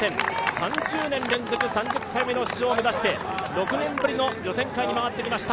３０年連続３０回目の出場を目指して６年ぶりの予選会に回ってきました